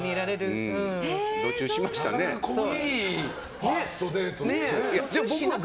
なかなか濃いファーストデートですね。